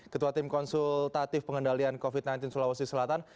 ketua tim konsultatif pengendalian covid sembilan belas sulawesi selatan